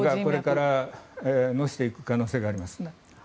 これからのしていく可能性がありますね。